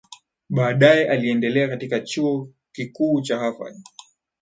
Baadae aliendelea katika chuo kikuu cha Harvard